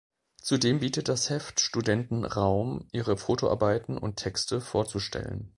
Zudem bietet das Heft Studenten Raum, ihre Fotoarbeiten und Texte vorzustellen.